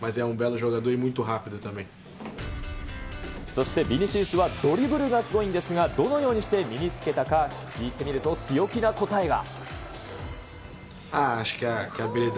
そして、ビニシウスはドリブルがすごいんですが、どのようにして身につけたか聞いてみると、強気な答えが。